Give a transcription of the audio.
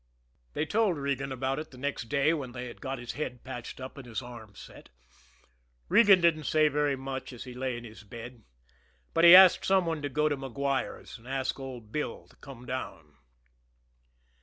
They told Regan about it the next day when they had got his head patched up and his arm set. Regan didn't say very much as he lay in his bed, but he asked somebody to go to Maguire's and ask old Bill to come down.